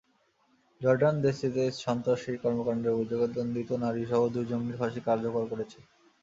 Jordan দেশটিতে সন্ত্রাসী কর্মকাণ্ডের অভিযোগে দণ্ডিত নারীসহ দুই জঙ্গির ফাঁসি কার্যকর করেছে।